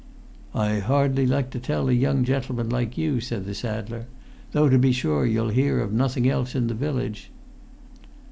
"I hardly like to tell a young gentleman like you," said the saddler; "though, to be sure, you'll hear of nothing else in the village."